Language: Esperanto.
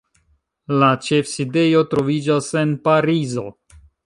La ĉefsidejo troviĝas en Parizo.